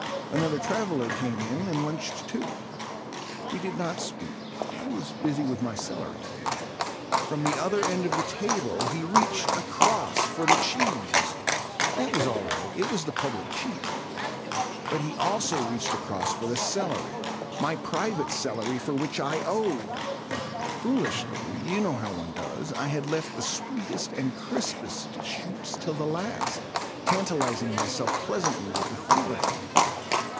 Another traveller came in and lunched too. We did not speak—I was busy with my celery. From the other end of the table he reached across for the cheese. That was all right; it was the public cheese. But he also reached across for the celery—my private celery for which I owed. Foolishly—you know how one does—I had left the sweetest and crispest shoots till the last, tantalizing myself pleasantly with the thought of them.